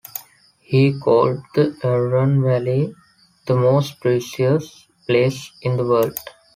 He called the Aeron valley the most precious place in the world.